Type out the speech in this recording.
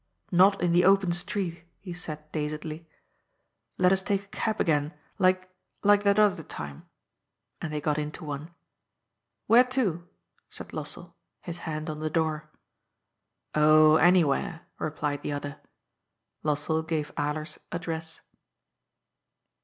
'' Not in the open street," he said dazedly. '^ Let us take a cab again, like, like that other time." And they got into one. " Where to ?" said Lossell, his hand on the door. " Oh, anywhere," replied the other. Lossell gave Alers's address.